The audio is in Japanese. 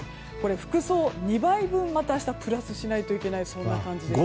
服装２枚分、また明日プラスしないといけないですね。